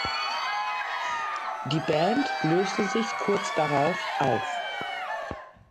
Die Band löste sich kurz darauf auf.